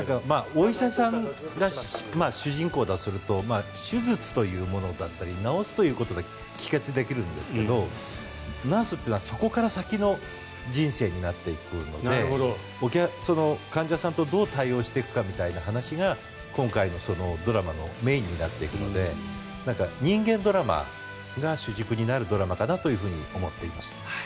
お医者さんが主人公だとすると手術というものだったり治すということで帰結できるんですがナースというのはそこから先の人生になっていくので患者さんとどう対応していくかみたいな話が今回のドラマのメインになっていくので人間ドラマが主軸になるドラマかなと思っています。